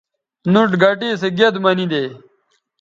نُوٹ گٹے سو گید منیدے